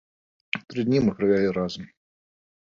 Тры дні мы правялі разам.